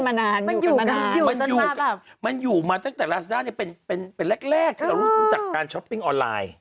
มันช็อปกันมานานมันอยู่มาตั้งแต่ลาซาด้าเป็นแรกจากการช็อปปิ้งออนไลน์